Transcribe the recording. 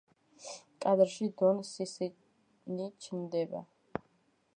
კადრში დონ სისინი ჩნდება.